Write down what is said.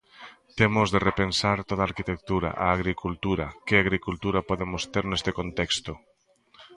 Temos de repensar toda a arquitectura, a agricultura, que agricultura podemos ter neste contexto.